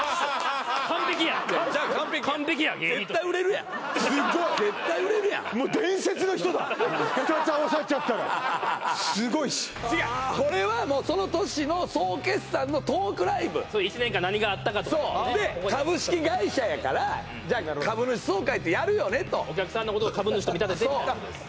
完璧やんじゃあ完璧や完璧やん芸人として絶対売れるやん絶対売れるやんもう伝説の人だ二つ合わさっちゃったらすごいし違うこれはもうその年の総決算のトークライブ１年間何があったかとそうで株式会社やからじゃあ株主総会ってやるよねとお客さんのことを株主と見立ててみたいなことです